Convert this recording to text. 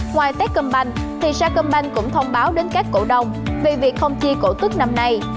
ngoài tết cơm banh thì sa cơm banh cũng thông báo đến các cổ đông vì việc không chia cổ tức năm nay